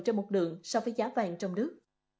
trên một lượng so với giá vàng trong nước